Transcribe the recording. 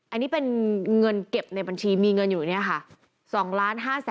อันนี้เป็นเงินเก็บในบัญชีมีเงินอยู่เนี่ยค่ะ